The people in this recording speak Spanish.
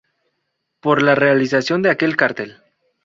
Por la realización de aquel cartel.